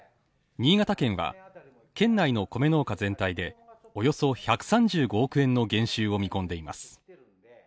新潟県は県内の米農家全体でおよそ１３５億円の減収を見込んでいます。